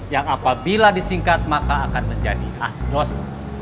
yang apabila disingkat maka akan menjadi asgnos